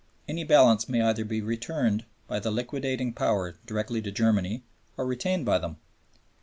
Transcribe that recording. Any balance may either be returned by the liquidating Power direct to Germany, or retained by them.